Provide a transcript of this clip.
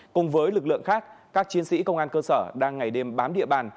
cùng với lực lượng khác các chiến sĩ công an cơ sở đang ngày đêm bám địa bàn